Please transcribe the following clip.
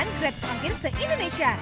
dan gratis panggil se indonesia